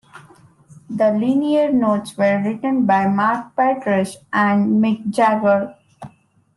The liner notes were written by Mark Paytress and Mick Jagger.